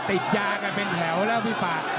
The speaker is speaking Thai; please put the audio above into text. ติดยากันเป็นแถวแล้วพี่ป่า